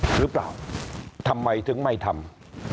หรือเปล่าทำไมถึงไม่ทำ